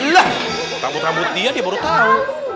lah rambut rambut dia dia baru tau